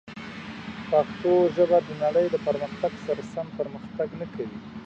پښتو ژبه د نړۍ له پرمختګ سره سم پرمختګ نه کوي.